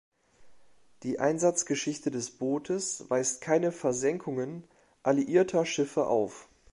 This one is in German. Die Einsatzgeschichte des Bootes weist keine Versenkungen alliierter Schiffe auf.